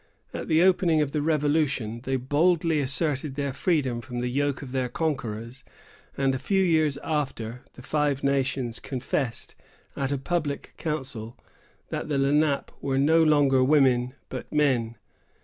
At the opening of the Revolution, they boldly asserted their freedom from the yoke of their conquerors; and a few years after, the Five Nations confessed, at a public council, that the Lenape were no longer women, but men.